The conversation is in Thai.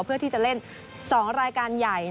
เพื่อที่จะเล่น๒รายการใหญ่